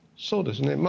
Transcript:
そうですね。